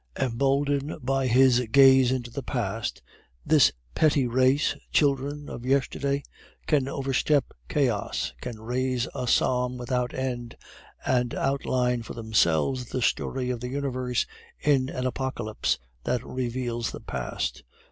Emboldened by his gaze into the past, this petty race, children of yesterday, can overstep chaos, can raise a psalm without end, and outline for themselves the story of the Universe in an Apocalypse that reveals the past.